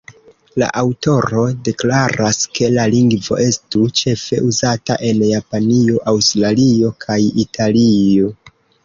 La aŭtoro deklaras ke la lingvo estu ĉefe uzata en Japanio, Aŭstralio kaj Italio.